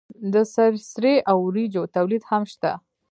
د سرې او وریجو تولید هم شته.